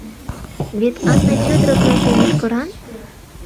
Вет Анна Фёдоровнаже мӱшкыран?